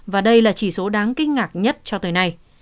và đây là chỉ số đáng kinh ngạc nhất cho tới nay